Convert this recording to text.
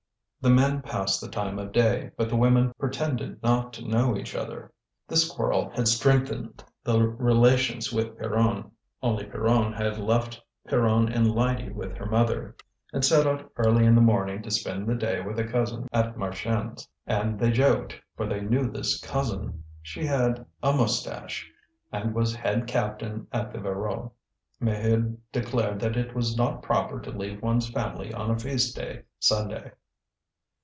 The men passed the time of day, but the women pretended not to know each other. This quarrel had strengthened the relations with Pierronne, only Pierronne had left Pierron and Lydie with her mother, and set out early in the morning to spend the day with a cousin at Marchiennes; and they joked, for they knew this cousin; she had a moustache, and was head captain at the Voreux. Maheude declared that it was not proper to leave one's family on a feast day Sunday.